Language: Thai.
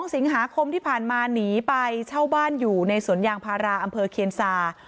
๒สิงหาคมที่ผ่านมาหนีไปเช่าบ้านอยู่ในสวนยางพาราอำเภอเคียนซา